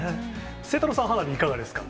晴太郎さん、花火いかがですか？